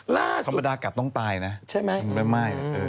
ธรรมดากัดต้องตายนะใช่ไหมคงไม่